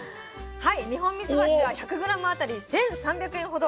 ニホンミツバチは１００ｇあたり１，３００円ほど。